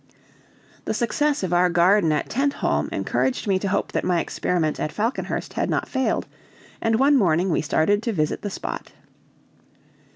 The success of our garden at Tentholm encouraged me to hope that my experiment at Falconhurst had not failed, and one morning we started to visit the spot.